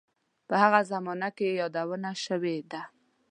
په هغه زمانه کې یې یادونه شوې ده.